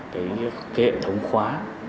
cái hệ thống khóa